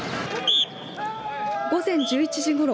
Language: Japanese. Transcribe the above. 午前１１時ごろ